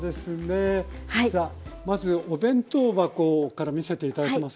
さあまずお弁当箱から見せて頂けますか？